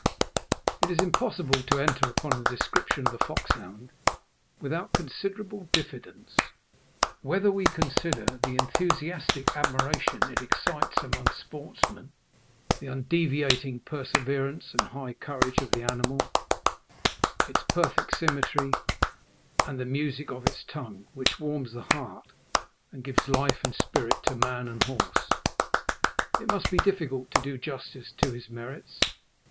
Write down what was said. It is impossible to enter upon a description of the foxhound without considerable diffidence. Whether we consider the enthusiastic admiration it excites amongst sportsmen, the undeviating perseverance and high courage of the animal, its perfect symmetry, and the music of its tongue, which warms the heart and gives life and spirit to man and horse, it must be difficult to do justice to his merits.